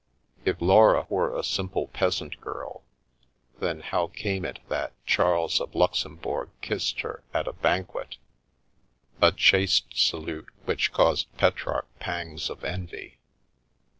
If Laura were the simple peasant girl, then how came it that Charles of Luxemburg kissed her at a banquet — a chaste salute which caused Petrarch pangs of envy?